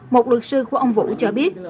một luật sư của ông vũ cho biết